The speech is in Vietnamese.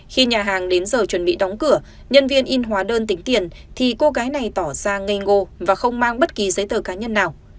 khi nhà hàng đến giờ chuẩn bị đóng cửa nhân viên in hóa đơn tính tiền thì cô gái này tỏ ra ngây ngô và không mang bất kỳ giấy tờ cá nhân nào